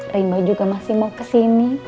limba juga masih mau kesini